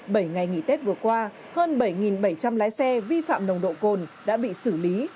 bảy ngày nghỉ tết vừa qua hơn bảy bảy trăm linh lái xe vi phạm nồng độ cồn đã bị xử lý